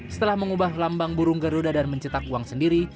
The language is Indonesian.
setelah mengubah lambang burung garuda dan mencetak uang sendiri